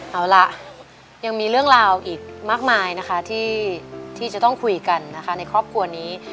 เอาล่ะยังมีเรื่องราวอีกมากมายนะคะที่จะต้องคุยกันนะคะในครอบครัวนี้